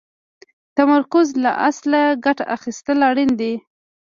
د تمرکز له اصله ګټه اخيستل اړين دي.